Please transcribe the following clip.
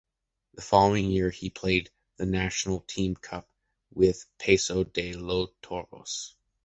The following year, he played the National Team Cup with Paso de los Toros.